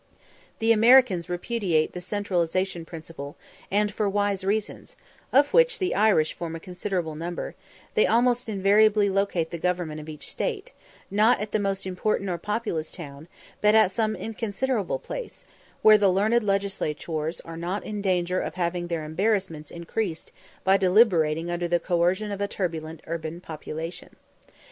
The Americans repudiate the "centralization" principle, and for wise reasons, of which the Irish form a considerable number, they almost invariably locate the government of each state, not at the most important or populous town, but at some inconsiderable place, where the learned legislators are not in danger of having their embarrassments increased by deliberating under the coercion of a turbulent urban population.